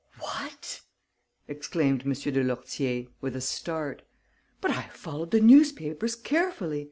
"What!" exclaimed M. de Lourtier, with a start. "But I have followed the newspapers carefully.